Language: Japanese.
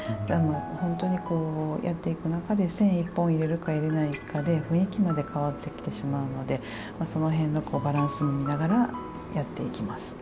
本当にこうやっていく中で線１本入れるか入れないかで雰囲気まで変わってきてしまうのでその辺のバランスも見ながらやっていきます。